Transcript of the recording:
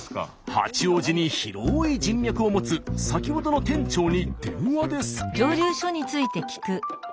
八王子に広い人脈を持つ先ほどの店長に電話です。